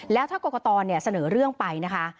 แล้วถ้ากรกตเสนอเรื่องไปนะคะ